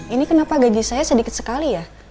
ini kenapa gaji saya sedikit sekali ya